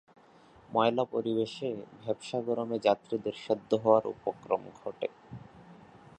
ময়লা পরিবেশে, ভ্যাপসা গরমে যাত্রীদের সেদ্ধ হওয়ার উপক্রম ঘটে।